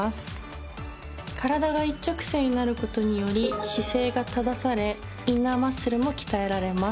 体が一直線になることにより姿勢が正されインナーマッスルも鍛えられます。